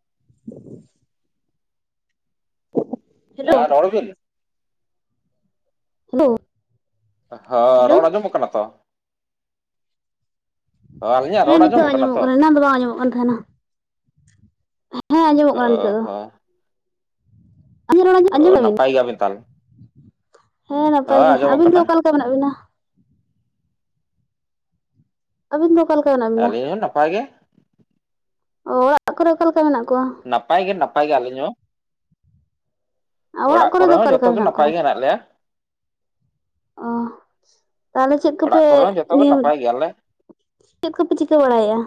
[unintelligible] [unintelligible] ᱦᱮᱸ ᱨᱚᱲ ᱵᱤᱱ᱾ ᱟ [unintelligible] ᱦᱳᱭ ᱨᱚᱲ ᱟᱸᱡᱚᱢᱼᱚᱜ ᱠᱟᱱᱟ ᱛᱚ᱾ ᱦᱚᱸ, ᱟᱹᱞᱤᱧᱟᱜ ᱦᱮᱸ ᱨᱚᱲ ᱱᱤᱛᱚᱜ ᱟᱸᱡᱚᱢᱚᱜ ᱟᱸᱡᱚᱢᱼᱚᱜ ᱛᱚ ᱠᱟᱱᱟ ᱮᱱᱟᱱ ᱫᱚ ᱵᱟᱝ ᱟᱸᱡᱚᱢᱼᱚᱜ ᱠᱟᱱ ᱛᱟᱦᱮᱸᱱᱟ ᱦᱮᱸ ᱟᱸᱡᱚᱢᱼᱚᱜ ᱚ ᱠᱟᱱᱟ ᱱᱤᱛᱚᱜ ᱫᱚ᱾ ᱦᱚᱸ ᱟᱹᱞᱤᱧᱟᱜ ᱨᱚᱲ ᱟᱸᱡᱚᱢ ᱚ ᱫᱟᱵᱤᱱ ᱱᱟᱯᱟᱭ ᱜᱮᱭᱟ ᱵᱮᱱ ᱛᱟᱦᱚᱞᱮ, ᱦᱮᱸ ᱱᱟᱯᱟᱭ ᱦᱚᱸ ᱜᱮ ᱟᱸᱡᱚᱢᱚᱜ ᱟᱹᱵᱤᱱ ᱜᱮ ᱠᱟᱱᱟ ᱚᱠᱟ ᱞᱮᱠᱟ ᱢᱮᱱᱟᱜ ᱵᱤᱱᱟ᱾ ᱟᱹᱵᱤᱱ ᱫᱚ ᱚᱠᱟᱞ ᱞᱮᱠᱟ ᱢᱮᱱᱟᱜ ᱵᱤᱱᱟ᱾ ᱟᱹᱞᱤᱧ ᱱᱟᱯᱟᱭ ᱜᱮ᱾ ᱚ ᱚᱲᱟᱜ ᱠᱚᱨᱮ ᱚᱠᱟ ᱞᱮᱠᱟ ᱢᱮᱱᱟᱜ ᱠᱚᱣᱟ᱾ ᱱᱟᱯᱟᱭ ᱜᱮ ᱱᱟᱯᱟᱭ ᱜᱮ ᱟᱹᱞᱤᱧ ᱦᱚᱸ, ᱚᱲᱟᱜ ᱠᱚᱨᱮ ᱫᱚ ᱦᱚᱸ ᱚᱠᱟ ᱞᱮᱠᱟ ᱡᱚᱛᱚ ᱜᱮ ᱢᱮᱱᱟᱜ ᱱᱟᱯᱟᱭ ᱠᱚᱣᱟ ᱜᱮ ᱦᱮᱸᱱᱟᱜ ᱞᱮᱭᱟ᱾ ᱚ ᱛᱟᱦᱞᱮ ᱪᱮᱫ ᱚᱲᱟᱜ ᱠᱚᱯᱮ ᱠᱚᱨᱮ ᱦᱚᱸ ᱡᱚᱛᱚ ᱜᱮ ᱱᱤᱭᱟᱹ, ᱱᱟᱯᱟᱭ ᱜᱮᱭᱟᱞᱮ ᱪᱮᱫ ᱠᱚᱯᱮ ᱪᱤᱠᱟᱹ ᱵᱟᱲᱟᱭᱮᱜᱼᱟ᱾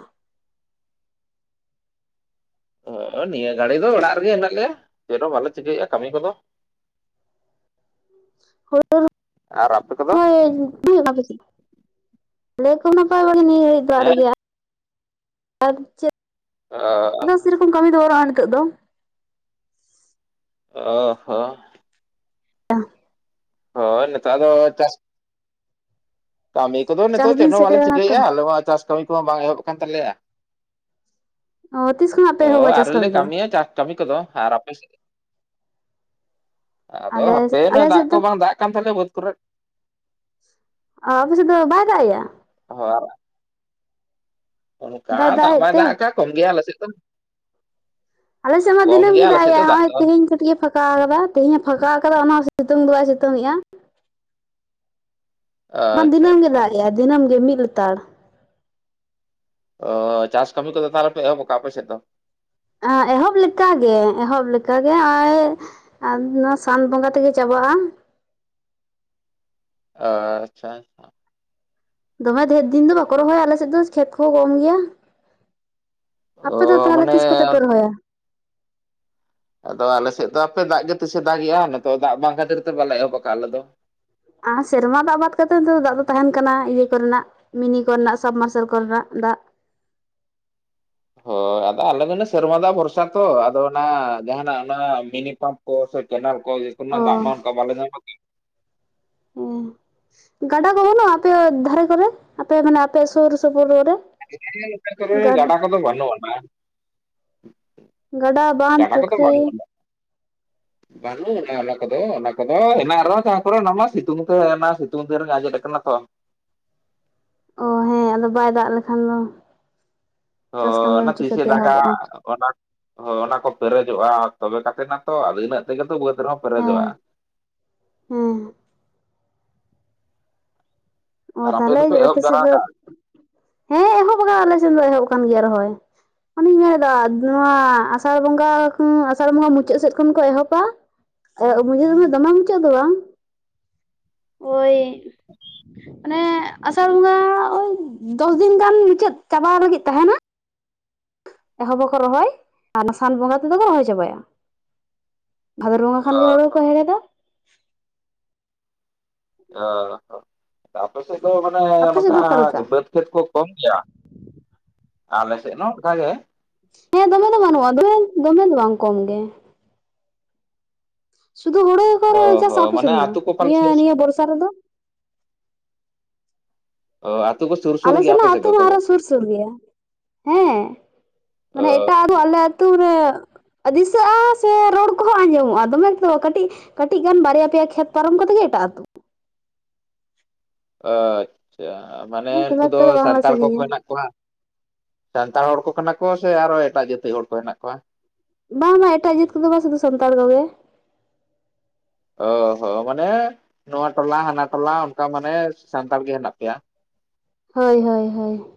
ᱚ ᱱᱤᱭᱟᱹ ᱜᱷᱟᱹᱲᱤ ᱫᱚ ᱚᱲᱟᱜ ᱨᱮᱜᱮ ᱦᱮᱸᱱᱟᱜ ᱞᱮᱭᱟ ᱪᱮᱫ ᱦᱚᱸ ᱵᱟᱞᱮ ᱪᱤᱠᱟᱹᱭᱮᱜᱼᱟ ᱠᱟᱹᱢᱤ ᱠᱚᱫᱚ᱾ ᱦᱩᱲᱩ, ᱟᱨ ᱟᱯᱮ ᱠᱚᱫᱚ [unintelligible] ᱟᱞᱮ ᱠᱚ ᱱᱟᱯᱟᱭ ᱵᱟᱲᱟ ᱜᱮ ᱱᱤᱭᱟᱹ ᱜᱟ. ᱲᱤᱡ ᱫᱚ ᱚᱲᱟᱜ ᱦᱮᱸ ᱨᱮᱜᱮ ᱟᱨ ᱪᱮᱫ? ᱫᱚ ᱚ, ᱥᱮᱨᱚᱠᱚᱢ ᱠᱟᱹᱢᱤ ᱫᱚ ᱵᱟᱱᱩᱜᱼᱟ ᱱᱤᱛᱚᱜ ᱫᱚ᱾ ᱚ ᱦᱚᱸ, [unintelligible] ᱦᱚ ᱱᱮᱛᱟ ᱫᱚ ᱪᱟᱥ, ᱠᱟᱹᱢᱤ ᱠᱚᱫᱚ ᱪᱟᱥ ᱱᱤᱛᱚᱜ ᱪᱮᱫ ᱫᱤᱱ ᱦᱚᱸ ᱵᱟᱞᱮ ᱥᱮᱴᱮᱨᱮᱱᱟ ᱛᱚ ᱪᱤᱠᱟᱹᱭᱮᱜᱼᱟ ᱟᱞᱮ ᱢᱟ ᱪᱟᱥ ᱠᱟᱹᱢᱤ ᱠᱚᱦᱚᱸ ᱵᱟᱝ ᱮᱦᱚᱵ ᱠᱟᱱ ᱛᱟᱞᱮᱭᱟ᱾ ᱚ ᱛᱤᱥ ᱠᱷᱚᱱ, ᱚ ᱟᱨᱤ ᱞᱮ ᱠᱟᱹᱢᱤᱭᱟ ᱪᱟᱥ ᱠᱟᱹᱢᱤ ᱠᱚᱫᱚ ᱟᱨ ᱟᱯᱮ ᱥᱮᱫ? ᱟᱫᱚ ᱟᱞᱮ ᱦᱟᱯᱮ ᱟᱞᱮ ᱱᱚᱣᱟ ᱫᱟᱜ ᱥᱮᱫ ᱠᱚ ᱫᱚ ᱵᱟᱝ ᱫᱟᱜ ᱠᱟᱱ ᱛᱟᱞᱮᱭᱟ ᱵᱟᱹᱫᱽ ᱠᱚᱨᱮᱫ᱾ ᱚ ᱟᱯᱮ ᱥᱮᱫ ᱫᱚ ᱵᱟᱭ ᱫᱟᱜ ᱮᱜ-ᱟ᱾ ᱦᱳ, ᱚᱱᱠᱟ ᱫᱟᱜ ᱵᱟᱭ ᱫᱟᱜ ᱟᱠᱟᱫ ᱠᱚᱢ ᱜᱮᱭᱟ ᱟᱞᱮ ᱥᱮᱫ ᱫᱚ᱾ ᱟᱞᱮ ᱥᱮᱫ ᱢᱟ ᱠᱚᱢ ᱫᱤᱱᱟᱹᱢ ᱜᱮ ᱜᱮᱭᱟ ᱫᱟᱜ ᱟᱞᱮᱥᱮᱫ ᱫᱚ ᱮᱭᱟᱭ ᱦᱚᱜ ᱚᱭ ᱫᱚ ᱛᱟᱦᱮᱧ ᱠᱟᱹᱴᱤᱡ ᱮ ᱯᱷᱟ ᱯᱷᱟᱸᱠᱟ ᱠᱟᱫᱟ ᱛᱮᱦᱮᱧ ᱮ ᱯᱷᱟᱸᱠᱟ ᱠᱟᱫᱟ ᱚᱱᱟ ᱥᱤᱛᱩᱝ ᱫᱚ ᱵᱟᱭ ᱥᱤᱛᱩᱝ ᱮᱼᱟ᱾ ᱵᱟᱝ ᱟᱪᱪᱷᱟ ᱫᱤᱱᱟᱹᱢ ᱜᱮ ᱟᱪᱪᱷᱟ ᱫᱟᱜ ᱮᱼᱟ ᱫᱤᱱᱟᱹᱢ ᱜᱮ ᱢᱤᱫ ᱞᱮᱛᱟᱲ᱾ ᱚ ᱪᱟᱥ ᱠᱟ. ᱢᱤ ᱠᱚᱫᱚ ᱛᱟᱦᱚᱞᱮ ᱯᱮ ᱮᱦᱚᱵ ᱟᱠᱟᱫᱟ ᱟᱯᱮ ᱥᱮᱫ᱾ ᱮᱦᱚᱵ ᱞᱮᱠᱟᱜᱮ ᱮᱦᱚᱵ ᱞᱮᱠᱟᱜᱮ ᱟ, ᱟᱨ ᱱᱚᱣᱟ ᱥᱟᱱ ᱵᱚᱸᱜᱟ ᱛᱮᱜᱮ ᱪᱟᱵᱟᱜᱼᱟ᱾ ᱚ ᱟᱪᱪᱷᱟ, ᱫᱚᱢᱮ ᱫᱷᱮᱨ ᱫᱤᱱ ᱫᱚ ᱵᱟᱠᱚ ᱨᱚᱦᱚᱭᱟ ᱟᱞᱮ ᱥᱮᱫ ᱫᱚ, ᱠᱷᱮᱛ ᱠᱚᱦᱚᱸ ᱠᱚᱢ ᱜᱮᱭᱟ᱾ ᱟᱯᱮ ᱫᱚ ᱚ ᱛᱟᱦᱚᱞᱮ ᱢᱟᱱᱮ ᱛᱤᱥ ᱠᱚᱛᱮ ᱯᱮ ᱨᱚᱦᱚᱭᱟ? ᱟᱫᱚ ᱟᱞᱮ ᱥᱮᱫ ᱫᱚ ᱦᱟᱯᱮ ᱫᱟᱜ ᱜᱮ ᱛᱤᱥ ᱮ ᱫᱟᱜ ᱮᱜᱼᱟ, ᱱᱤᱛᱚᱜ ᱫᱟᱜ ᱵᱟᱝ ᱠᱷᱟᱹᱛᱤᱨ ᱛᱮ ᱵᱟᱞᱮ ᱮᱦᱚᱵ ᱟᱠᱟᱫᱟ ᱟᱞᱮ ᱫᱚ ᱾ ᱟᱨ ᱥᱮᱨᱢᱟ ᱫᱟᱜ ᱵᱟᱫ ᱠᱟᱛᱮ ᱫᱚ ᱫᱟᱜ ᱫᱚ ᱛᱟᱦᱮᱱ ᱠᱟᱱᱟ ᱤᱭᱟᱹ ᱠᱚᱨᱮᱱᱟᱜ ᱢᱤᱱᱤ ᱠᱚᱞ ᱨᱮᱱᱟᱜ ᱥᱟᱵ ᱢᱟᱨᱥᱟᱞ ᱠᱚᱞ ᱨᱮᱱᱟᱜ ᱫᱟᱜ ᱾ ᱦᱳᱭ [inaudible] ᱟᱫᱚ ᱟᱞᱮ ᱫᱚᱞᱮ ᱥᱮᱨᱢᱟ ᱫᱟᱜ ᱵᱷᱚᱨᱥᱟ ᱛᱚ, ᱟᱫᱚ ᱚᱱᱟ ᱡᱟᱦᱟᱱᱟᱜ ᱚᱱᱟ ᱢᱤᱱᱤ ᱯᱟᱢᱯ ᱠᱚ ᱥᱮ ᱠᱮᱱᱮᱞ ᱠᱚ ᱤᱭᱟ. ᱚ ᱠᱚᱨᱮᱱᱟᱜ ᱫᱟᱜ ᱢᱟ ᱚᱱᱠᱟ ᱵᱟᱞᱮ ᱧᱟᱢᱟ ᱠᱤ ᱚ ᱜᱟᱰᱟ ᱠᱚ ᱵᱟᱹᱱᱩᱜᱼᱟ, ᱟᱯᱮ ᱫᱷᱟᱨᱮ ᱠᱚᱨᱮ ᱟᱯᱮ ᱢᱟᱱᱮ ᱟᱯᱮ ᱥᱩᱨ ᱥᱩᱯᱩᱨ ᱠᱚᱨᱮ? ᱚᱱᱠᱟ ᱠᱚᱫᱚ ᱵᱷᱟᱹᱱᱩᱜ ᱟᱱᱟ ᱵᱟᱸᱫᱷ ᱜᱟᱰᱟ ᱠᱚᱫᱚ ᱵᱟᱱᱩᱜ ᱯᱩᱠᱷᱨᱤ ᱟᱱᱟ᱾ [inaudible] ᱵᱟᱹᱱᱩᱜ ᱟᱱᱟ ᱚᱱᱟ ᱠᱚᱫᱚ ᱚᱱᱟ ᱠᱚᱫᱚ ᱦᱮᱱᱟᱜ ᱨᱮᱦᱚᱸ, ᱡᱟᱦᱟ ᱠᱚᱨᱮ ᱚᱱᱟ ᱢᱟ ᱥᱤᱛᱩᱝ ᱛᱮ ᱚᱱᱟ ᱥᱤᱛᱩᱝ ᱫᱤᱱ ᱨᱮᱜᱮ ᱟᱡᱮᱫ ᱠᱟᱱᱟ ᱛᱚ᱾ ᱚ ᱦᱮᱸ ᱟᱫᱚ ᱵᱟᱭ ᱫᱟᱜ ᱞᱮᱠᱷᱟᱱ ᱫᱚ ᱚ ᱪᱟᱥ ᱠᱟᱹᱢᱤ ᱚᱱᱟ ᱦᱚᱸ ᱛᱤᱥᱮ ᱪᱤᱠᱟᱹᱛᱮ ᱫᱟᱜᱟ ᱮᱦᱚᱵᱚᱜᱼᱟ ᱚᱱᱟ ᱦᱳᱭ ᱚᱱᱟ ᱠᱚ ᱯᱮᱨᱮᱡᱚᱜᱼᱟ ᱛᱚᱵᱮ ᱠᱟᱛᱮ ᱱᱟ ᱛᱚ ᱟᱫᱚ ᱤᱱᱟᱹᱜ ᱛᱮᱜᱮ ᱛᱚ ᱵᱟᱹᱫᱽ ᱨᱮᱦᱚᱸ ᱯᱮᱨᱮᱡᱚᱜᱼᱟ ᱦᱮᱸ ᱾ ᱦᱮᱸ ᱾ ᱚ ᱟᱨ ᱛᱟᱦᱚᱞᱮ ᱫᱚᱯᱮ ᱮᱦᱚᱵ ᱟᱯᱮ ᱥᱮᱫ ᱡᱟᱣᱨᱟ ᱫᱚ, ᱦᱮᱸ ᱮᱦᱚᱵ ᱟᱠᱟᱱᱟ ᱟᱞᱮ ᱥᱮᱫ ᱫᱚ ᱮᱦᱚᱵ ᱟᱠᱟᱱ ᱜᱮᱭᱟ ᱨᱚᱦᱚᱭ ᱚᱱᱮᱧ ᱢᱮᱱᱮᱫᱟ ᱱᱚᱣᱟ ᱟᱥᱟᱲ ᱵᱚᱸᱜᱟ ᱟᱥᱟᱲ ᱵᱚᱸᱜᱟ ᱢᱩᱪᱟᱹᱫ ᱥᱮᱫ ᱠᱷᱚᱱ ᱠᱚ ᱮᱦᱚᱵᱟ ᱢᱩᱪᱟᱹᱫ ᱥᱚᱢᱚᱭ ᱫᱚᱢᱮ ᱢᱩᱪᱟᱹᱫ ᱫᱚ ᱵᱟᱝ ᱳᱭ [unintelligible] ᱚᱱᱮ ᱟᱥᱟᱲ ᱵᱚᱸᱜᱟ ᱳᱭ ᱫᱚᱥ ᱫᱤᱱ ᱜᱟᱱ ᱢᱩᱪᱟᱹᱫ ᱪᱟᱵᱟ ᱞᱟᱹᱜᱤᱫ ᱛᱟᱦᱮᱱᱟ ᱮᱦᱚᱵ ᱟᱠᱚ ᱨᱚᱦᱚᱭ ᱟᱨ ᱥᱟᱱ ᱵᱚᱸᱜᱟ ᱛᱮᱫᱚ ᱠᱚ ᱨᱚᱦᱚᱭ ᱪᱟᱵᱟᱭᱟ ᱾ ᱵᱷᱟᱫᱚᱨ ᱵᱚᱸᱜᱟ ᱠᱷᱟᱱᱜᱮ ᱦᱳᱲᱳ ᱦᱚᱸᱠᱚ ᱦᱮᱲᱦᱮᱫᱟ ᱾ ᱚ ᱦᱚ ᱟᱯᱮ ᱥᱮᱫ ᱫᱚ ᱢᱟᱱᱮ ᱟᱯᱮ ᱥᱮᱫ ᱚᱱᱠᱟ ᱫᱚ ᱚᱠᱟ ᱞᱮᱠᱟ ᱵᱟᱹᱫᱽ ᱪᱮᱛ ᱠᱚ ᱠᱚᱢ ᱜᱮᱭᱟ? ᱟᱞᱮ ᱥᱮᱫ ᱢᱟ ᱚᱱᱠᱟ ᱜᱮ ᱾ ᱦᱮᱸ ᱫᱚᱢᱮ ᱫᱚ ᱵᱟᱹᱱᱩᱜᱼᱟ, ᱫᱚᱢᱮ ᱫᱚᱢᱮ ᱫᱚ ᱵᱟᱝ ᱠᱚᱢ ᱜᱮ ᱾ ᱥᱩᱫᱷᱩ ᱦᱩᱲᱩ ᱜᱮᱠᱚ ᱚ ᱨᱚᱦᱚᱭ ᱪᱟᱥᱟ ᱦᱚᱸ ᱢᱟᱱᱮ ᱟᱯᱮᱥᱮᱱ ᱫᱚ, ᱟᱛᱳ ᱠᱚ ᱯᱟᱞᱮ ᱱᱤᱭᱟᱹ ᱥᱩᱨ ᱱᱤᱭᱟᱹ ᱵᱚᱨᱥᱟ ᱨᱮᱫᱚ? ᱟᱛᱳ ᱠᱚ ᱥᱩᱨ ᱥᱩᱨ ᱟᱞᱮ ᱜᱮᱭᱟ ᱟᱯᱮ ᱥᱮᱱᱟᱜ ᱥᱮᱫ ᱟᱹᱛᱩ ᱫᱚ ᱢᱟ ᱛᱚᱵᱮ ᱟᱨᱚ ᱥᱩᱨ ᱥᱩᱨ ᱜᱮᱭᱟ ᱦᱮᱸ ᱾ ᱚ ᱢᱟᱱᱮ ᱮᱴᱟᱜ ᱟᱨᱦᱚ ᱟᱞᱮ ᱟᱛᱩ ᱨᱮ ᱫᱤᱥᱟᱹᱜᱼᱟ ᱥᱮ ᱨᱚᱲ ᱠᱚᱦᱚᱸ ᱟᱸᱡᱚᱢᱚᱜᱼᱟ ᱫᱚᱢᱮ ᱫᱚ ᱠᱟᱹᱴᱤᱡ ᱠᱟᱹᱴᱤᱡ ᱜᱟᱱ ᱵᱟᱨᱭᱟ ᱯᱮᱭᱟ ᱠᱷᱮᱛ ᱯᱟᱨᱚᱢ ᱠᱟᱛᱮᱜ ᱜᱮ ᱮᱴᱟᱜ ᱟᱹᱛᱩ ᱾ ᱟᱪᱪᱷᱟ ᱢᱟᱱᱮ ᱫᱚᱢᱮ ᱩᱱᱠᱩ ᱫᱚ ᱮᱠᱴᱟ ᱵᱟᱝᱞᱮ ᱥᱟᱱᱛᱟᱲ ᱠᱚᱠᱚ ᱥᱟᱺᱜᱤᱧᱟ ᱦᱮᱱᱟᱜ ᱠᱚᱣᱟ ᱥᱟᱱᱛᱟᱲ ᱦᱚᱲ ᱠᱚ ᱠᱟᱱᱟ ᱠᱚ ᱥᱮ ᱟᱨᱚ ᱮᱴᱟᱜ ᱡᱟᱹᱛᱤ ᱦᱚᱲ ᱠᱚ ᱦᱮᱱᱟᱜ ᱠᱚᱣᱟ? ᱵᱟᱝ ᱟ ᱮᱴᱟᱜ ᱡᱟᱹᱛ ᱠᱚᱫᱚ ᱵᱟᱝ ᱥᱩᱫᱷᱩ ᱥᱟᱱᱛᱟᱲ ᱠᱚᱜᱮ᱾ ᱚ ᱦᱚᱸ ᱢᱟᱱᱮ ᱱᱚᱣᱟ ᱴᱚᱞᱟ ᱦᱟᱱᱟ ᱴᱚᱞᱟ ᱚᱱᱠᱟ ᱢᱟᱱᱮ ᱥᱟᱱᱛᱟᱲ ᱜᱮ ᱦᱮᱱᱟᱜ ᱯᱮᱭᱟ ᱾ ᱦᱳᱭ ᱦᱳᱭ ᱦᱳᱭ ᱾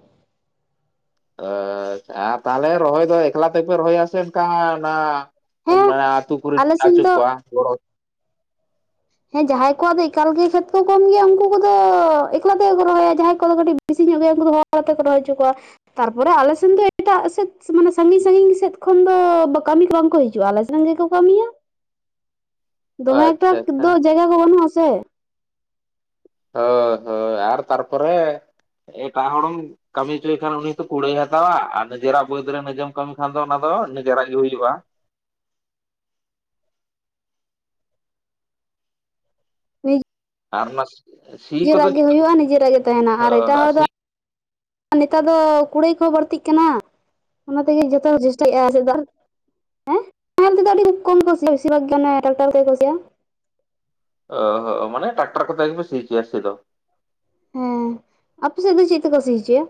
ᱚ ᱟᱪᱪᱷᱟ ᱟᱨ ᱛᱟᱦᱚᱞᱮ ᱨᱚᱦᱚᱭ ᱫᱚ ᱮᱠᱞᱟ ᱛᱮᱯᱮ ᱨᱚᱦᱚᱭᱟ ᱥᱮ ᱚᱱᱠᱟ ᱚᱱᱟ ᱦᱮᱸ ᱚᱱᱟ ᱟᱹᱛᱩ ᱠᱚᱨᱤᱱ ᱟᱞᱮ ᱥᱮᱱ ᱵᱟᱪᱩᱜ ᱫᱚ ᱠᱚᱣᱟ ᱜᱚᱲᱚ ᱦᱮᱸ ᱡᱟᱦᱟᱸᱭ ᱠᱚᱣᱟᱜ ᱫᱚ ᱮᱠᱟᱞ ᱜᱮ ᱠᱷᱮᱛ ᱠᱚ ᱠᱚᱢ ᱜᱮᱭᱟ, ᱩᱱᱠᱩ ᱠᱚᱫᱚ ᱮᱠᱞᱟ ᱛᱮ ᱠᱚ ᱨᱚᱦᱚᱭᱟ ᱡᱟᱦᱟᱸᱭ ᱠᱚᱫᱚ ᱠᱟᱹᱴᱤᱡ ᱵᱤᱥᱤ ᱧᱚᱜ ᱜᱮᱭᱟ ᱩᱱᱠᱩ ᱫᱚ ᱦᱚᱲ ᱟᱛᱮ ᱠᱚ ᱨᱚᱦᱚᱭ ᱦᱚᱪᱚ ᱠᱚᱣᱟ ᱛᱟᱨᱯᱚᱨᱮ ᱟᱞᱮᱥᱮᱱ ᱫᱚ ᱮᱴᱟᱜ ᱥᱮᱫ ᱢᱟᱱᱮ ᱥᱟᱺᱜᱤᱧ ᱥᱟᱺᱜᱤᱧ ᱥᱮᱫ ᱠᱷᱚᱱ ᱫᱚ ᱠᱟᱹᱢᱤ ᱠᱚ ᱵᱟᱝ ᱠᱚ ᱦᱤᱡᱩᱜᱼᱟ, ᱟᱞᱮ ᱥᱮᱱ ᱜᱮᱠᱚ ᱠᱟᱹᱢᱤᱭᱟ ᱫᱚᱢᱮ ᱮᱠᱴᱟ ᱟᱪᱪᱷᱟ ᱟᱪᱪᱷᱟ ᱫᱚ ᱡᱟᱭᱜᱟ ᱜᱮ ᱵᱟᱹᱱᱩᱜᱼᱟ ᱥᱮ? ᱦᱳ ᱦᱳᱭ ᱟᱨ ᱛᱟᱨᱯᱚᱨᱮ ᱮᱴᱟᱜ ᱦᱚᱲ ᱦᱚᱸ ᱠᱟᱹᱢᱤ ᱦᱚᱪᱚᱭ ᱠᱷᱟᱱ ᱩᱱᱤ ᱦᱚᱸᱛᱚ ᱠᱩᱲᱟᱹᱭ ᱮ ᱦᱟᱛᱟᱣᱟ, ᱟᱨ ᱱᱤᱡᱮᱨᱟᱜ ᱵᱟᱹᱫᱽ ᱨᱮ ᱱᱤᱡᱮᱢ ᱠᱟᱹᱢᱤ ᱠᱷᱟᱱ ᱫᱚ ᱚᱱᱟ ᱫᱚ ᱱᱤᱡᱮᱨᱟᱜ ᱜᱮ ᱦᱩᱭᱩᱜᱼᱟ᱾ ᱢᱤᱫ ᱟᱨ ᱱᱟᱥ ᱱᱤᱡᱮᱨᱟᱜ ᱜᱮ ᱦᱩᱭᱩᱜᱼᱟ, ᱱᱤᱡᱮᱨᱟᱜ ᱜᱮ ᱛᱟᱸᱦᱮᱱᱟ ᱟᱨ ᱮᱴᱟᱜ ᱦᱚᱲ ᱫᱚ ᱥᱤ ᱱᱮᱛᱟᱨ ᱫᱚ ᱠᱩᱲᱟᱹᱭ ᱠᱚᱦᱚᱸ ᱵᱟᱹᱲᱛᱤᱜ ᱠᱟᱱᱟ ᱚᱱᱟ ᱛᱮᱜᱮ ᱡᱚᱛᱚ ᱪᱮᱥᱴᱟᱭᱮᱫᱼᱟ ᱪᱮᱫᱟᱜ ᱦᱮᱸ ᱧᱮᱞ ᱛᱮ ᱫᱚ ᱟᱹᱰᱤ ᱠᱚᱢ ᱠᱚ ᱥᱤ ᱟ ᱵᱮᱥᱤᱨ ᱵᱷᱟᱜᱽ ᱜᱮ ᱚᱱᱟ ᱴᱟᱠᱴᱟᱨ ᱛᱮᱜᱮ ᱥᱤ ᱚ ᱦᱚᱸ ᱢᱟᱱᱮ ᱴᱟᱠᱴᱟᱨ ᱠᱚᱛᱮ ᱜᱮᱯᱮ ᱥᱤ ᱦᱚᱪᱚᱭᱟ ᱥᱤᱫ ᱫᱚ ᱦᱮᱸ ᱟᱯᱮ ᱥᱮᱫ ᱫᱚ ᱪᱮᱫ ᱛᱮ ᱠᱚ ᱥᱤ ᱦᱚᱪᱚᱭᱟ?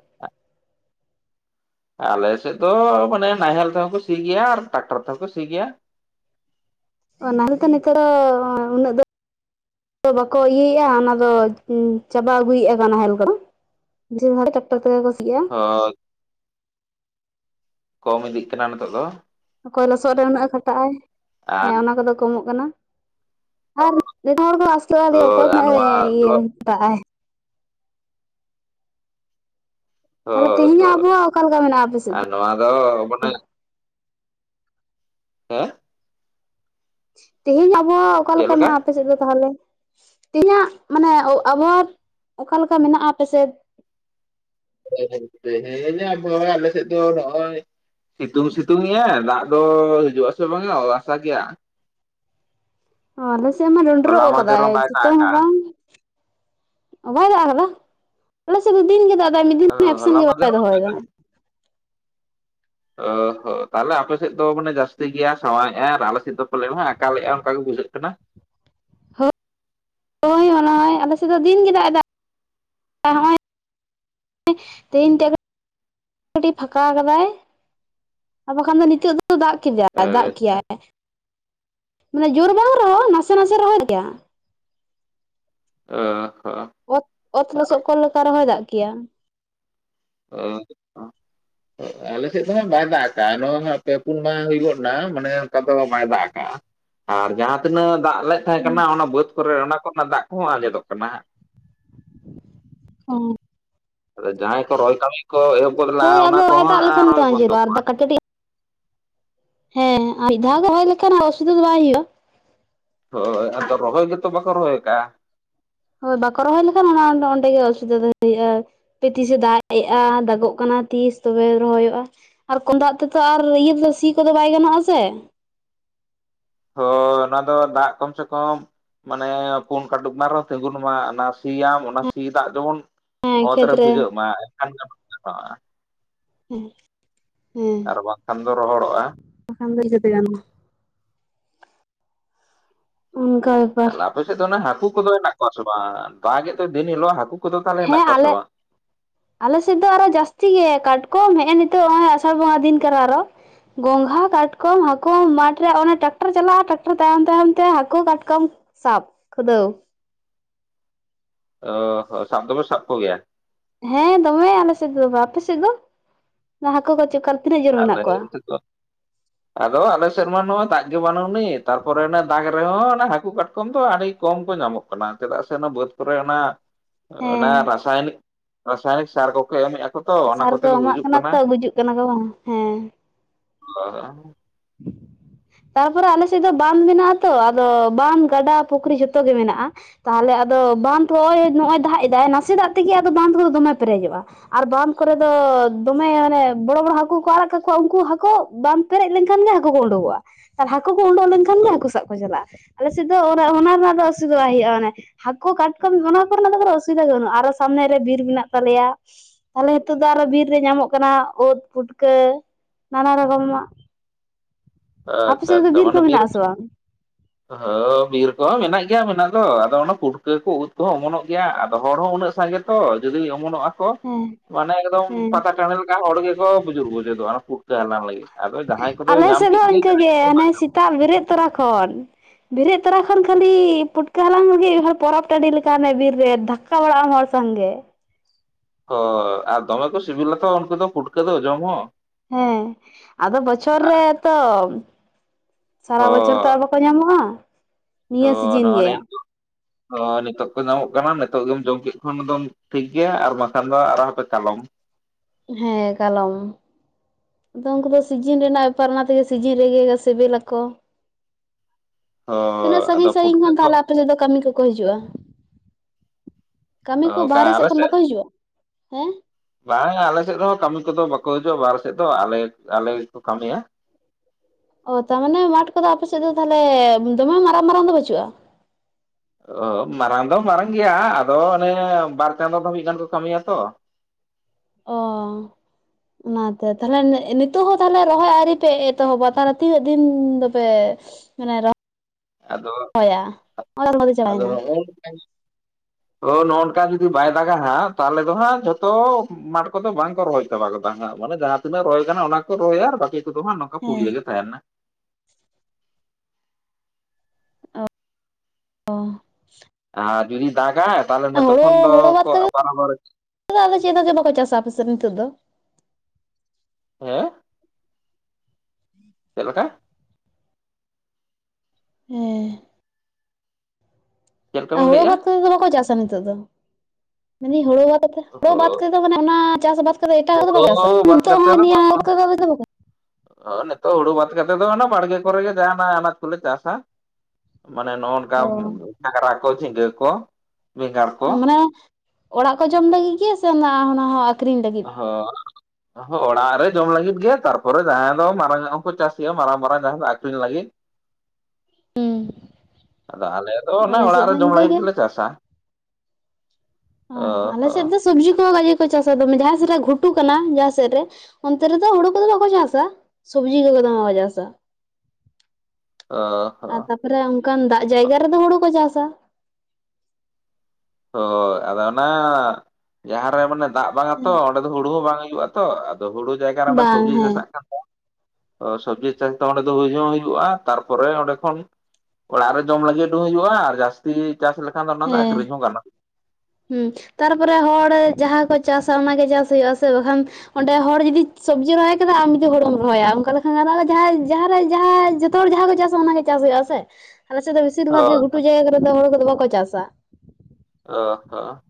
ᱟᱞᱮ ᱥᱮᱫ ᱫᱚ ᱢᱟᱱᱮ ᱱᱟᱦᱮᱞ ᱛᱮᱦᱚᱸ ᱠᱚ ᱥᱤ ᱜᱮᱭᱟ ᱟᱨ ᱴᱟᱠᱴᱟᱨ ᱛᱮᱦᱚᱸ ᱠᱚ ᱥᱤ ᱜᱮᱭᱟ᱾ ᱚᱱᱟ ᱜᱮᱛᱚ ᱱᱤᱛᱚᱜ ᱫᱚ ᱩᱱᱟᱹᱜ ᱫᱚ ᱵᱟᱠᱚ ᱤᱭᱟᱹᱭᱮᱫᱼᱟ ᱚᱱᱟ ᱫᱚ ᱪᱟᱵᱟ ᱟᱹᱜᱩᱭᱮᱜᱼᱟ ᱠᱚ ᱱᱟᱦᱮᱞ ᱠᱚᱫᱚ ᱡᱮ ᱵᱷᱟᱵᱽ ᱴᱟᱠᱴᱟᱨ ᱛᱮᱜᱮ ᱠᱚ ᱥᱤᱜ-ᱟ ᱦᱚᱠ ᱠᱚᱢ ᱤᱫᱤᱜ ᱠᱟᱱᱟ ᱱᱤᱛᱚᱜ ᱫᱚ ᱚᱠᱚᱭ ᱞᱚᱥᱚᱫ ᱨᱮ ᱩᱱᱟᱹᱜ ᱮ ᱠᱷᱟᱴᱟᱜ ᱟᱭ ᱟᱨ ᱦᱮᱸ ᱚᱱᱟ ᱠᱚᱫᱚ ᱠᱚᱢᱚᱜ ᱠᱟᱱᱟ ᱟᱨ ᱢᱤᱫ ᱦᱚᱲ ᱫᱚ ᱯᱟᱨᱥᱳᱱᱟᱞᱤ ᱦᱳᱭ ᱚᱠᱚᱭ ᱟᱨ ᱤᱱᱟ. ᱜ ᱱᱚᱣᱟ ᱮ ᱫᱚ ᱤᱭᱟᱹ ᱢᱮᱛᱟᱜ ᱟᱭ ᱛᱟᱦᱚᱞᱮ ᱦᱳᱭ ᱛᱮᱦᱮᱧᱟᱜ ᱦᱳᱭ ᱟᱵᱷᱚᱦᱟᱣᱟ ᱚᱠᱟ ᱞᱮᱠᱟ ᱢᱮᱱᱟᱜᱼᱟ ᱟᱯᱮ ᱥᱮᱫ ᱟᱨ ᱫᱚ? ᱱᱚᱣᱟ ᱫᱚ ᱢᱟᱱᱮ ᱦᱮᱸ ᱛᱮᱦᱮᱧ ᱟᱵᱷᱚᱦᱟᱣᱟ ᱚᱠᱟ ᱞᱮᱠᱟ ᱢᱮᱱᱟᱜᱼᱟ ᱟᱯᱮᱥᱮᱫ ᱫᱚ ᱛᱟᱦᱚᱞᱮ? ᱛᱮᱦᱮᱧᱟᱜ ᱢᱟᱱᱮ ᱟᱵᱷᱚ ᱦᱟᱣᱟ ᱚᱠᱟᱞᱮ ᱞᱮᱠᱟ ᱢᱮᱱᱟᱜᱼᱟ ᱟᱯᱮᱥᱮᱫ? ᱛᱮᱦᱮᱧᱟ ᱟᱵᱷᱚᱦᱟᱣᱟ ᱟᱞᱮ ᱥᱮᱫ ᱫᱚ ᱱᱚᱜᱼᱚᱭ ᱾ ᱥᱤᱛᱩᱝ ᱥᱤᱛᱩᱝ ᱮᱭᱟ ᱫᱟᱜ ᱫᱚ ᱦᱤᱡᱩᱜ ᱟᱥᱮ ᱵᱟᱝᱼᱟ ᱚᱼᱟᱥᱟ ᱜᱮᱭᱟ ᱾ ᱚ ᱟᱞᱮ ᱥᱮᱫ ᱢᱟ ᱦᱚᱞᱟ ᱰᱳᱰᱨᱚᱜ ᱢᱟᱫᱷᱮᱨ ᱠᱟᱫᱟᱭ ᱦᱚᱸ ᱵᱟᱭ ᱫᱟᱜ ᱥᱤᱛᱩᱝ ᱦᱚᱸ ᱟᱠᱟᱜᱼᱟ ᱵᱟᱝ ᱾ ᱵᱟᱭ ᱫᱟᱜ ᱠᱟᱫᱟ ᱟᱞᱮ ᱥᱮᱫ ᱫᱚ ᱫᱤᱱ ᱜᱮ ᱫᱟᱜ ᱮᱫᱟ ᱢᱤᱫ ᱫᱤᱱ ᱮᱯᱥᱮᱱᱴ ᱦᱚᱞᱟ ᱜᱮ ᱵᱟᱞᱟᱭ ᱢᱟᱫᱷᱮᱨ ᱫᱚᱦᱚᱭᱮᱫᱟ ᱾ ᱚᱻ ᱦᱚᱸ ᱾ ᱛᱟᱦᱚᱞᱮ ᱟᱯᱮ ᱥᱮᱫ ᱫᱚ ᱢᱟᱱᱮ ᱡᱟᱹᱥᱛᱤ ᱜᱮᱭᱟ ᱥᱟᱶᱟᱭᱮᱫᱼᱟ ᱟᱨ ᱟᱞᱮ ᱥᱮᱫ ᱫᱚ ᱯᱟᱞᱮ ᱫ ᱟᱠᱟᱞᱮᱜᱼᱟ ᱚᱱᱠᱟ ᱜᱮ ᱵᱩᱡᱷᱟᱹᱜ ᱠᱟᱱᱟ ᱾ ᱦᱳᱹᱭ ᱱᱚᱜᱼᱚᱭ ᱟᱞᱮᱥᱮᱫ ᱫᱚ ᱫᱤᱱᱜᱮ ᱫᱟᱜ ᱮᱫᱟ ᱱᱚᱜᱼᱚᱭᱼᱼ [unintelligible] ᱛᱮᱦᱮᱧ ᱛᱮ ᱠᱟᱹᱴᱤᱡ ᱯᱷᱟᱠᱟ ᱠᱟᱫᱟᱭ ᱾ ᱟᱨ ᱵᱟᱠᱷᱟᱱ ᱫᱚ ᱱᱤᱛᱚᱜ ᱫᱚ ᱫᱟᱜ ᱠᱮᱫᱮᱭᱟ ᱫᱟᱜ ᱟᱪᱪᱷᱟ ᱠᱮᱭᱟᱭ, ᱢᱟᱱᱮ ᱡᱳᱨ ᱵᱟᱝ ᱨᱚᱦᱚᱸ ᱱᱟᱥᱮ ᱱᱟᱥᱮ ᱨᱚᱦᱚᱭ ᱜᱮᱭᱟ ᱾ ᱚ ᱦᱚᱸ᱾ ᱚᱛ ᱚᱛ ᱞᱚᱥᱚᱫ ᱠᱚ ᱞᱮᱠᱟ ᱨᱮᱦᱚᱭ ᱫᱟᱜ ᱠᱮᱭᱟ ᱾ ᱚᱻ ᱾ ᱟᱞᱮ ᱥᱮᱫ ᱫᱚᱦᱟᱜ ᱵᱟᱭ ᱫᱟᱜ ᱠᱟᱜᱼᱟ, ᱱᱚᱜᱼᱚᱭ ᱦᱟᱜ ᱯᱮ ᱯᱩᱱ ᱢᱟᱦᱟ ᱦᱩᱭᱩᱭ ᱜᱚᱫ ᱮᱱᱟ, ᱢᱟᱱᱮ ᱚᱱᱠᱟ ᱫᱚ ᱵᱟᱭ ᱫᱟᱜ ᱠᱟᱜᱼᱟ ᱾ ᱟᱨ ᱡᱟᱦᱟᱸ ᱛᱤᱱᱟᱹᱜ ᱫᱟᱜ ᱞᱮᱫ ᱛᱟᱦᱮᱸ ᱠᱟᱱᱟ ᱚᱱᱟ ᱵᱟᱹᱫᱽ ᱠᱚᱨᱮ ᱚᱱᱟ ᱠᱚᱨᱮᱱᱟᱜ ᱫᱟᱜ ᱠᱚᱦᱚᱸ ᱟᱸᱡᱮᱫᱚᱜ ᱠᱟᱱᱟ ᱦᱟᱜ ᱾ ᱦᱚᱸ ᱡᱟᱦᱟᱸᱭ ᱠᱚ ᱨᱚᱦᱚᱭ ᱠᱟᱹᱢᱤ ᱠᱚ ᱮᱦᱚᱵ ᱜᱚᱫ ᱦᱳᱭ ᱞᱟᱫᱼᱟ ᱚᱱᱟ ᱟᱫᱚ ᱵᱟᱭ ᱠᱚᱦᱚᱸ ᱫᱟᱜ ᱞᱮᱠᱷᱟᱱ ᱛᱚ ᱟᱨᱚᱭ ᱵᱚᱱᱫᱚ ᱟᱸᱡᱮᱫᱚᱜᱼᱟ ᱟᱨ ᱠᱚᱣᱟ ᱫᱟᱜ ᱾ ᱠᱟᱹᱴᱤᱡ ᱦᱮᱸ, ᱢᱤᱫ ᱫᱷᱟᱹᱣ ᱜᱮ ᱦᱚᱭ ᱞᱮᱠᱷᱟᱱ ᱚᱥᱩᱵᱤᱫᱷᱟ ᱫᱚ ᱵᱟᱭ ᱦᱩᱸᱭᱩᱜᱼᱟ ᱾ ᱦᱚᱭ ᱟᱫᱚ ᱨᱚᱦᱚᱭ ᱜᱮ ᱛᱚ ᱵᱟᱠᱚ ᱨᱚᱦᱚᱭᱠᱟᱼᱟ ᱾ ᱦᱳᱭ ᱵᱟᱠᱚ ᱨᱚᱦᱚᱭ ᱞᱮᱠᱷᱟᱱ ᱚᱱᱟ ᱚᱸᱰᱮ ᱜᱮ ᱚᱥᱩᱵᱤᱫᱟ ᱫᱚ ᱦᱩᱭᱩᱜᱼᱟ ᱾ ᱦᱟᱯᱮ ᱛᱤᱥᱮ ᱫᱟᱜ ᱮᱜᱼᱟ ᱫᱟᱜᱚᱜ ᱠᱟᱱᱟ ᱛᱤᱥ ᱛᱚᱵᱮ ᱨᱚᱦᱚᱭᱚᱜᱼᱟ ᱾ ᱟᱨ ᱠᱚᱢ ᱫᱟᱜ ᱛᱮ ᱫᱚ ᱟᱨ ᱤᱭᱟᱹ ᱮᱫ ᱥᱤ ᱠᱚᱫᱚ ᱵᱟᱭ ᱜᱟᱱᱚᱜᱼᱟ ᱥᱮ ᱾ ᱦᱳᱭ ᱚᱱᱟ ᱫᱚ ᱫᱟᱜ ᱠᱚᱢ ᱥᱮ ᱠᱚᱢᱼᱼ ᱢᱟᱱᱮ ᱯᱩᱱ ᱠᱟᱹᱴᱩᱠ ᱜᱱᱟ ᱨᱮᱦᱚᱸ ᱛᱤᱸᱜᱩᱱ ᱢᱟ, ᱚᱱᱟ ᱥᱤᱭᱟᱢ ᱚᱱᱟ ᱥᱤ ᱫᱟᱜ ᱡᱮᱢᱚᱱ ᱼᱼ ᱦᱮᱸ ᱚᱛ ᱠᱷᱮᱛ ᱨᱮ ᱵᱷᱤᱡᱷᱟᱹᱜ ᱢᱟ ᱮᱱᱠᱷᱟᱱ ᱜᱟᱱᱚᱜ ᱜᱟᱱᱚᱜ ᱼᱟ ᱾ ᱦᱮᱸ ᱾ [unintelligible] ᱟᱨ ᱵᱟᱝ ᱠᱷᱟᱱ ᱫᱚ ᱨᱚᱦᱚᱲᱚᱜᱼᱟ ᱾ ᱵᱟᱠᱷᱟᱱ ᱫᱚ [unintelligible] ᱡᱛᱮ ᱜᱟᱱᱼᱟ ᱚᱱᱠᱟ ᱵᱮᱯᱟᱨ ᱛᱟᱦᱞᱮ ᱟᱯᱮ ᱥᱮᱫ ᱫᱚ ᱚᱱᱮ ᱦᱟᱹᱠᱩ ᱠᱚᱫᱚ ᱦᱮᱱᱟᱜ ᱠᱚᱣᱟ ᱥᱮ ᱵᱟᱝ? ᱫᱟᱜᱮᱫ ᱫᱚᱭ ᱫᱤᱱ ᱦᱤᱞᱚᱜ ᱦᱟᱹᱠᱩᱼᱼ ᱦᱮᱸ ᱟᱞᱮᱜᱼᱼ ᱟᱞᱮᱥᱮᱫ ᱫᱚ ᱟᱨᱚ ᱡᱟᱹᱥᱛᱤ ᱜᱮ, ᱠᱟᱴᱠᱚᱢ ᱦᱮᱸᱜᱼᱮ ᱱᱤᱛᱚᱜ ᱱᱟᱸᱜ ᱟᱥᱟᱲ ᱵᱚᱸᱜᱟ ᱫᱤᱱ ᱠᱟᱱᱟ ᱟᱨᱚᱼᱼ ᱜᱚᱝᱜᱷᱟ ᱠᱟᱴᱠᱚᱢ ᱦᱟᱹᱠᱩ ᱢᱟᱴᱷ ᱨᱮ ᱚᱱᱮ ᱴᱨᱟᱠᱴᱟᱨ ᱪᱟᱞᱟᱜᱼᱟ, ᱴᱨᱟᱠᱴᱟᱨ ᱛᱟᱭᱚᱢ ᱛᱟᱭᱚᱢ ᱛᱮ ᱦᱟᱹᱠᱩ ᱠᱟᱴᱠᱚᱢᱼᱼ ᱥᱟᱵ ᱫᱚᱟᱹᱣ ᱾ ᱚ ᱥᱟᱵ ᱫᱚᱵᱚ ᱥᱟᱵ ᱠᱚᱜᱮᱭᱟ ᱾ ᱦᱮᱸ ᱫᱚᱢᱮ ᱟᱞᱮ ᱥᱮᱫ ᱫᱚ᱾ᱟᱯᱮ ᱥᱮᱫ ᱫᱚ? ᱦᱟᱹᱠᱩ ᱠᱚ ᱪᱚᱠᱟᱨ ᱾ ᱟᱞᱮ [unintelligible] [inaudible] ᱟᱫᱚ ᱟᱞᱮ ᱥᱮᱫ ᱢᱟ ᱱᱚᱣᱟ ᱫᱟᱜ ᱜᱮ ᱵᱟᱹᱱᱩᱜ ᱟᱱᱤᱡ ᱛᱟᱨᱯᱚᱨᱮ ᱚᱱᱟ ᱫᱟᱜᱽ ᱨᱮ ᱦᱚᱸ ᱦᱟᱹᱠᱩ ᱠᱟᱴᱠᱚᱢ ᱫᱚ ᱟᱹᱰᱤ ᱠᱚᱢ ᱠᱚ ᱧᱟᱢᱚᱜ ᱠᱟᱱᱟ ᱪᱮᱫᱟᱜ ᱥᱮ ᱚᱱᱟ ᱵᱟᱹᱫᱽ ᱠᱚᱨᱮ ᱚᱱᱟ ᱚᱱᱟ ᱦᱮᱸ ᱨᱟᱥᱟᱭᱱᱤᱠ, ᱨᱟᱥᱟᱭᱱᱤᱠ ᱥᱟᱨ ᱠᱚᱠᱚ ᱮᱢᱮᱫᱼᱟ ᱾ ᱥᱟᱨ ᱠᱚ ᱮᱢᱟᱜ ᱠᱟᱱᱟ ᱛᱚ ᱜᱩᱡᱩᱜ ᱠᱟᱱᱟ ᱠᱚ ᱵᱟᱝ ᱦᱮᱸ ᱾ [unintelligible] [unintelligible] ᱛᱟᱨᱯᱚᱨᱮ ᱟᱞᱮ ᱥᱮᱫ ᱫᱚ ᱵᱟᱸᱫ ᱢᱮᱱᱟᱜᱼᱟ ᱛᱚ ᱟᱫᱚ ᱵᱟᱸᱫ ᱜᱟᱰᱟ ᱯᱩᱠᱷᱨᱤ ᱡᱷᱚᱛᱚ ᱜᱮ ᱢᱮᱱᱟᱜᱼᱟ ᱾ ᱛᱟᱦᱚᱞᱮ ᱟᱫᱚ ᱵᱟᱸᱫᱷ ᱱᱚᱜᱼᱚᱭ, ᱱᱚᱜᱼᱚᱭ ᱫᱟᱜ ᱮᱫᱟᱭ ᱱᱟᱥᱮ ᱫᱟᱜ ᱛᱮᱜᱮ ᱟᱫᱚ ᱵᱟᱸᱫᱷ ᱠᱚ ᱫᱚᱢᱮ ᱯᱮᱨᱮᱡᱚᱜᱼᱟ ᱾ ᱟᱨ ᱵᱟᱸᱫᱷ ᱠᱚᱨᱮ ᱫᱚ ᱫᱚᱢᱮ ᱚᱱᱮ ᱵᱚᱲᱚ ᱵᱚᱲᱚ ᱦᱟᱹᱠᱩ ᱠᱚ ᱟᱲᱟᱜ ᱠᱟᱠᱚᱣᱟ ᱩᱱᱠᱩ ᱦᱟᱹᱠᱩ ᱵᱟᱸᱫᱷ ᱯᱮᱨᱮᱡ ᱞᱮᱱᱠᱷᱟᱱ ᱠᱷᱟᱱ ᱜᱮ ᱦᱟᱹᱠᱩ ᱠᱚ ᱩᱰᱩᱠᱚᱜᱼᱟ ᱟᱨ ᱦᱟᱹᱠᱩ ᱠᱚ ᱩᱰᱩᱠ ᱞᱮᱱᱠᱷᱟᱱ ᱜᱮ ᱦᱟᱹᱠᱩ ᱥᱟᱵ ᱠᱚ ᱪᱟᱞᱟᱜᱼᱟ ᱾ ᱟᱞᱮ ᱥᱮᱫ ᱫᱚ ᱚᱱᱟ ᱚᱱᱟ ᱨᱮᱱᱟᱜ ᱫᱚ ᱚᱥᱩᱵᱤᱫᱷᱟ ᱵᱟᱭ ᱦᱩᱭᱩᱜᱼᱟ ᱚᱱᱮ ᱦᱟᱹᱠᱩ ᱠᱟᱴᱠᱚᱢ ᱚᱱᱟ ᱠᱚᱨᱮᱱᱟᱜ ᱫᱚ ᱚᱥᱩᱵᱤᱫᱟ ᱜᱮ ᱵᱟᱹᱱᱩᱜᱼᱟ ᱟᱨᱚ ᱥᱟᱢᱱᱮ ᱨᱮ ᱵᱤᱨ ᱢᱮᱱᱟᱜ ᱛᱟᱞᱮᱭᱟ᱾ ᱛᱟᱦᱞᱮ ᱱᱤᱛᱚᱜ ᱫᱚ ᱟᱨᱚ ᱵᱤᱨ ᱨᱮ ᱧᱟᱢᱚᱜ ᱠᱟᱱᱟ ᱩᱫ ᱯᱩᱴᱠᱟᱹ ᱱᱟᱱᱟ ᱨᱚᱠᱚᱢᱟᱜ᱾ ᱟᱯᱮ ᱟᱪᱪᱷᱟ ᱥᱮᱫ ᱫᱚ ᱵᱤᱨ ᱠᱚ ᱢᱮᱱᱟᱜ ᱟᱥᱮ ᱵᱟᱝ? ᱦᱮᱸᱵᱤᱨ ᱠᱚᱦᱚᱸ ᱢᱮᱱᱟᱜ ᱜᱮᱭᱟ ᱢᱮᱱᱟᱜ ᱫᱚ ᱟᱫᱚ ᱚᱱᱟ ᱯᱩᱴᱠᱟᱹ ᱠᱚ ᱩᱫ ᱠᱚᱦᱚᱸ ᱚᱢᱚᱱᱚᱜ ᱜᱮᱭᱟ ᱟᱫᱚ ᱦᱚᱲ ᱦᱚᱸ ᱩᱱᱟᱹᱜ ᱥᱟᱸᱜᱮ ᱛᱚ ᱡᱚᱫᱤ ᱚᱢᱚᱱᱚᱜᱼᱟ ᱦᱮᱸ ᱾ ᱢᱟᱱᱮ ᱮᱠᱫᱚᱢ ᱦᱮᱸ ᱯᱟᱛᱟ ᱴᱟᱺᱰᱤ ᱞᱮᱠᱟ ᱦᱚᱲ ᱜᱮᱠᱚ ᱵᱩᱡᱩᱜ ᱵᱩᱡᱩᱫᱚᱜ- ᱟ ᱯᱩᱴᱠᱟᱹ ᱦᱟᱞᱟᱝ ᱞᱟᱹᱜᱤᱫ ᱟᱫᱚ ᱡᱟᱦᱟᱸᱭ ᱠᱚᱫᱚ ᱧᱟᱢ ᱠᱮᱫ [unintelligible] ᱜᱮ ᱤᱱᱠᱟᱹᱜᱮ ᱦᱟᱱᱮ ᱥᱮᱛᱟᱜ ᱵᱮᱨᱮᱫ ᱛᱚᱨᱟ ᱠᱷᱚᱱ᱾ ᱵᱮᱨᱮᱫ ᱛᱚᱨᱟ ᱠᱷᱚᱱ ᱠᱷᱟᱹᱞᱤ ᱯᱩᱴᱠᱟᱹ ᱦᱟᱞᱟᱝ ᱨᱮᱜᱮ ᱯᱚᱨᱚᱵᱽ ᱴᱟᱺᱰᱤ ᱞᱮᱠᱟ ᱵᱤᱨ ᱨᱮ ᱚᱲᱟᱜ ᱦᱚᱲ ᱥᱚᱝᱜᱮ᱾ ᱦᱚ ᱟᱨ ᱫᱚᱢᱮ ᱠᱚ ᱥᱤᱵᱤᱞᱟᱛᱚ ᱩᱱᱠᱩ ᱫᱚ ᱯᱩᱴᱠᱟᱹ ᱫᱚ ᱡᱚᱢ ᱦᱚᱸ᱾ ᱦᱮᱸ ᱟᱫᱚ ᱵᱚᱪᱷᱚᱨ ᱨᱮᱛᱚ ᱥᱟᱨᱟ ᱵᱚᱪᱷᱚᱨ ᱛᱚ ᱟᱨ ᱵᱟᱠᱚ ᱧᱟᱢᱚᱜᱼᱟ᱾ ᱛ ᱱᱤᱭᱟᱹ ᱥᱤᱡᱤᱱ ᱱᱚᱜᱼ ᱜᱮ ᱱᱤᱭᱟᱹ ᱱᱤᱛ ᱱᱤᱛᱚᱜ ᱠᱚ ᱧᱟᱢᱚᱜ ᱠᱟᱱᱟ ᱱᱤᱛᱚᱜ ᱜᱮᱢ ᱡᱚᱢ ᱠᱮᱫ ᱠᱷᱟᱱ ᱫᱚᱢ ᱴᱷᱤᱠ ᱜᱮᱭᱟ ᱟᱨ ᱵᱟᱸᱠᱷᱟᱱ ᱫᱚ ᱟᱨᱚ ᱦᱟᱯᱮ ᱠᱟᱞᱚᱢ᱾ ᱦᱮᱸ ᱠᱟᱞᱚᱢ ᱟᱫᱚ ᱩᱱᱠᱩ ᱫᱚ ᱥᱤᱡᱤᱱ ᱨᱮᱱᱟᱜ ᱵᱮᱯᱟᱨ ᱚᱱᱟ ᱛᱮᱜᱮ ᱥᱤᱡᱤᱱ ᱨᱮᱜᱮ ᱥᱤᱵᱤᱞᱟᱠᱚ᱾ ᱦᱳᱭ ᱛᱤᱱᱟᱹᱜ ᱟᱫᱚ ᱥᱟᱺᱜᱤᱧ ᱥᱟᱺᱜᱤᱧ ᱯᱩᱴᱠᱟᱹ ᱠᱷᱚᱱ ᱠᱚ ᱛᱟᱦᱞᱮ ᱟᱯᱮ ᱥᱮᱫ ᱫᱚ ᱠᱟᱹᱢᱤ ᱠᱚᱠᱚ ᱦᱤᱡᱩᱜᱼᱟ? ᱠᱟᱹᱢᱤ ᱠᱚ ᱚᱠᱟ ᱵᱟᱦᱨᱮ ᱥᱮᱫ ᱟᱞᱮ ᱠᱷᱚᱱ ᱵᱟᱠᱚ ᱦᱤᱡᱩᱜᱼᱟ ᱦᱮᱸ ᱵᱟᱝ ᱟᱞᱮ ᱥᱮᱫ ᱫᱚ ᱠᱟᱹᱢᱤ ᱠᱚᱫᱚ ᱵᱟᱠᱚ ᱦᱤᱡᱩᱜᱼᱟ ᱵᱟᱨᱦᱮ ᱥᱮᱫ ᱫᱚ ᱟᱞᱮ, ᱟᱞᱮ ᱜᱮᱠᱚ ᱠᱟᱹᱢᱤᱭᱟ᱾ ᱚ ᱛᱟᱨᱢᱟᱱᱮ ᱢᱟᱴᱷ ᱠᱚᱫᱚ ᱟᱯᱮ ᱥᱮᱫ ᱫᱚ ᱛᱟᱦᱚᱞᱮ ᱫᱚᱢᱮ ᱢᱟᱨᱟᱝ ᱢᱟᱨᱟᱝ ᱫᱚ ᱵᱟᱹᱪᱩᱜᱼᱟ? ᱚ ᱢᱟᱨᱟᱝ ᱫᱚ ᱢᱟᱨᱟᱝ ᱜᱮᱭᱟ ᱟᱫᱚ ᱚᱱᱮ ᱵᱟᱨ ᱪᱟᱸᱫᱚ ᱫᱷᱟᱹᱵᱤᱡ ᱜᱟᱱ ᱠᱚ ᱠᱟᱹᱢᱤᱭᱟ ᱛᱚ᱾ ᱚ ᱚᱱᱟᱛᱮ ᱛᱟᱦᱞᱮ ᱱᱤᱛᱚᱜ ᱦᱚᱸ ᱛᱟᱦᱞᱮ ᱨᱚᱦᱚᱭ ᱟᱹᱨᱤ ᱯᱮ ᱮᱛᱚᱦᱚᱵᱟ ᱛᱟᱦᱚᱞᱮ ᱛᱤᱱᱟᱹᱜ ᱫᱤᱱ ᱫᱚᱯᱮ? ᱢᱟᱱᱮ ᱨᱚ ᱟᱫᱚ ᱦᱚᱭᱟ ᱚᱱᱟ [unintelligible] [inaudible] [inaudible] ᱚ ᱱᱚᱜ ᱱᱚᱝᱠᱟ ᱡᱩᱫᱤ ᱵᱟᱭ ᱫᱟᱜᱟ ᱦᱟᱸᱜ ᱛᱟᱦᱚᱞᱮ ᱫᱚ ᱦᱟᱸᱜ ᱡᱷᱚᱛᱚ ᱢᱟᱴ ᱠᱚᱫᱚ ᱵᱟᱝ ᱠᱚ ᱨᱚᱦᱚᱭ ᱪᱟᱵᱟ ᱜᱚᱫᱟ ᱦᱟᱸᱜ ᱢᱟᱱᱮ ᱡᱟᱦᱟᱸ ᱛᱤᱱᱟᱹᱜ ᱨᱚᱦᱚᱭ ᱜᱚᱱᱳᱜ ᱟ ᱚᱱᱟ ᱠᱚ ᱨᱚᱦᱚᱭᱟ ᱟᱨ ᱵᱟᱠᱤ ᱠᱚᱫᱚ ᱦᱟᱸᱜ ᱯᱩᱲᱤᱭᱟᱹ ᱦᱮᱸ ᱜᱮ ᱛᱟᱦᱮᱱᱟ᱾ ᱚ ᱚ ᱟᱨ ᱡᱩᱫᱤ ᱫᱟᱜᱟᱭ ᱛᱟᱦᱚᱞᱮ ᱱᱤᱛᱚᱜ ᱦᱳᱲᱳ ᱠᱷᱚᱱ ᱫᱚ ᱦᱳᱲᱳ ᱵᱟᱫ ᱠᱟᱛᱮᱫ [unintelligible] ᱟᱫᱚ ᱪᱮᱫ ᱦᱚᱸ ᱜᱮ ᱵᱟᱠᱚ ᱪᱟᱥᱟ ᱟᱯᱮᱥᱮ ᱱᱤᱛᱚᱜ ᱫᱚ? ᱦᱮᱸ ᱪᱮᱫ ᱞᱮᱠᱟ? ᱦᱮᱸ ᱪᱮᱫ ᱞᱮᱠᱟ ᱟᱨ ᱵᱤᱱ ᱦᱳᱲᱩ ᱞᱟᱹᱭᱮᱜᱼᱟ ᱵᱟᱫ ᱠᱟᱛᱮ ᱫᱚ ᱵᱟᱠᱚ ᱪᱟᱥᱟ ᱱᱤᱛᱚᱜ ᱫᱚ ᱢᱮᱱ ᱫᱟᱹᱧ ᱦᱳᱲᱩ ᱵᱟᱫ ᱠᱟᱛᱮ ᱦᱳᱲ ᱵᱟᱫ ᱦᱳᱭ ᱠᱟᱛᱮ [unintelligible] ᱚᱱᱟ ᱪᱟᱥ ᱵᱟᱫ ᱠᱟᱛᱮ ᱮᱴᱟᱜᱫᱚ ᱵᱟᱠᱚ ᱪᱟᱥᱟ ᱦᱳᱲᱳ ᱵᱟᱫ ᱱᱤᱛᱚᱜ ᱦᱚᱸ ᱱᱤᱭᱟᱹ [unintelligible] ᱚᱻ ᱱᱤᱛᱚᱜ ᱦᱩᱲᱩ ᱵᱟᱫ ᱠᱟᱛᱮᱫ ᱫᱚ ᱚᱱᱟ ᱵᱟᱲᱜᱮ ᱠᱚᱨᱮ ᱜᱮ ᱡᱟᱦᱟᱸᱱᱟ ᱠᱚᱞᱮ ᱪᱟᱥᱼᱟ ᱢᱟᱱᱮ ᱱᱚᱱᱠᱟ ᱚ ᱜᱷᱟᱸᱨᱟ ᱠᱚ, ᱡᱷᱤᱸᱜᱟᱹ ᱠᱚ ᱾ ᱢᱟᱱᱮ ᱚᱲᱟᱜ ᱠᱚ ᱡᱚᱢ ᱞᱟᱹᱜᱤᱫ ᱜᱮ ᱥᱮ ᱚᱱᱟ ᱚᱱᱟ ᱦᱚᱸ ᱟᱠᱷᱨᱤᱧ ᱞᱟᱹᱜᱤᱫ ᱾ ᱦᱚ ᱚᱦᱚ ᱚᱲᱟᱜ ᱨᱮ ᱡᱚᱢ ᱞᱟᱹᱜᱤᱫ ᱜᱮ ᱛᱟᱨᱯᱚᱨᱮ ᱡᱟᱦᱟᱭ ᱫᱚ ᱢᱟᱨᱟᱝᱼᱟᱜ ᱦᱚᱸᱠᱚ ᱪᱟᱥ ᱜᱮᱭᱟ ᱢᱟᱨᱟᱝ-ᱢᱟᱨᱟᱝ ᱡᱟᱦᱟᱸ ᱫᱚ ᱟᱠᱷᱨᱤᱧ ᱞᱟᱹᱜᱤᱫ [inaudible] ᱟᱫᱚ ᱟᱞᱮ ᱫᱚ ᱚᱱᱮ ᱟᱞᱮ ᱚᱲᱟᱜ ᱥᱮᱫ ᱨᱮ ᱫᱚ ᱡᱚᱢ ᱤᱱᱠᱟᱹ ᱞᱟᱹᱜᱤᱫ ᱜᱮ ᱜᱮᱞᱮ ᱪᱟᱥᱟ ᱾ ᱚᱦ ᱟᱞᱮᱥᱮᱫ ᱫᱚ ᱥᱚᱵᱽᱡᱤ ᱠᱚᱦᱚᱸ ᱵᱟᱷᱜᱤ ᱠᱚ ᱪᱟᱥᱟ ᱫᱚᱢᱮ ᱡᱟᱦᱟᱸ ᱥᱮᱫ ᱨᱮ ᱜᱷᱩᱴᱩ ᱠᱟᱱᱟ ᱡᱟᱦᱟᱸ ᱥᱮᱫ ᱨᱮ ᱚᱱᱛᱮ ᱨᱮᱫᱚ ᱦᱩᱲᱩ ᱠᱚᱫᱚ ᱵᱟᱠᱚ ᱪᱟᱥᱟ ᱥᱚᱵᱡᱤ ᱠᱚᱜᱮ ᱫᱚᱢᱮ ᱠᱚ ᱪᱟᱥᱟ ᱾ ᱚᱦᱚ ᱛᱟᱯᱚᱨᱮ ᱚᱱᱠᱟᱱ ᱫᱟᱜ ᱡᱟᱭᱜᱟ ᱨᱮᱫᱚ ᱦᱩᱲᱩ ᱠᱚ ᱪᱟᱥᱟ ᱾ ᱦᱳᱭ ᱟᱫᱚ ᱚᱱᱟ ᱡᱟᱦᱟᱸᱨᱮ ᱢᱟᱱᱮ ᱫᱟᱜ ᱵᱟᱝᱟ ᱛᱚ᱾ ᱚᱸᱰᱮ ᱫᱚ ᱦᱩᱲᱩ ᱦᱚᱸ ᱵᱟᱝ ᱦᱩᱭᱩᱜᱼᱟ ᱛᱚ ᱟᱫᱚ ᱦᱩᱲᱩ ᱡᱟᱭᱜᱟ ᱨᱮ ᱚᱱᱟ ᱵᱟᱝ ᱥᱚᱵᱡᱤ ᱦᱮᱸ ᱪᱟᱥᱟᱜ ᱠᱷᱟᱱ᱾ ᱥᱚᱵᱡᱤ ᱪᱟᱥ ᱫᱚ ᱚᱸᱰᱮ ᱫᱚ ᱦᱩᱭ ᱦᱚᱸ ᱦᱩᱭᱩᱜᱼᱟ ᱛᱟᱨᱯᱚᱨᱮ ᱚᱸᱰᱮ ᱠᱷᱚᱱ ᱚᱲᱟᱜ ᱨᱮ ᱡᱚᱢ ᱞᱟᱹᱜᱤᱫ ᱦᱚᱸ ᱦᱩᱭᱩᱜᱼᱟ ᱟᱨ ᱡᱟᱹᱥᱛᱤ ᱪᱟᱥ ᱞᱮᱠᱷᱟᱱ ᱫᱚ ᱚᱱᱟ ᱫᱚ ᱦᱮᱸ ᱟᱹᱠᱷᱨᱤᱧ ᱦᱚᱸ ᱜᱟᱱᱚᱜᱼᱟ ᱾ ᱦᱩᱸ ᱛᱟᱨᱯᱚᱨᱮ ᱦᱚᱲ ᱡᱟᱦᱟᱸ ᱠᱚ ᱪᱟᱥᱟ ᱚᱱᱟᱜᱮ ᱪᱟᱥ ᱦᱩᱭᱩᱜ ᱟᱥᱮ ᱵᱟᱠᱷᱟᱱ ᱚᱸᱰᱮ ᱦᱚᱲ ᱡᱩᱫᱤ ᱥᱚᱵᱡᱤ ᱨᱚᱦᱚᱭ ᱠᱟᱫᱟ ᱟᱢ ᱡᱩᱫᱤ ᱦᱩᱲᱩᱢ ᱨᱚᱦᱚᱭᱟ ᱚᱱᱠᱟ ᱞᱮᱠᱷᱟᱱ ᱜᱟᱱᱚᱜᱼᱟ ᱟᱫᱚ ᱡᱟᱦᱟᱭ ᱡᱟᱦᱟ ᱨᱮ ᱡᱟᱦᱟᱭ ᱡᱚᱛᱚ ᱦᱚᱲ ᱡᱟᱦᱟᱸ ᱠᱚ ᱪᱟᱥᱟ ᱚᱱᱟᱜᱮ ᱪᱟᱥ ᱦᱩᱭᱩᱜᱟ ᱥᱮ ᱟᱞᱮ ᱫᱚ ᱵᱮ ᱵᱤᱥᱤᱨ ᱵᱷᱟᱜ ᱦᱳᱭ ᱜᱮ ᱜᱷᱩᱴᱩ ᱦᱳᱭ ᱡᱟᱭᱜᱟ ᱠᱚᱨᱮ ᱫᱚ ᱦᱳᱲᱳ ᱠᱚ ᱫᱚ ᱵᱟᱠᱚ ᱪᱟᱥᱟ᱾ ᱚ ᱦᱚᱸ᱾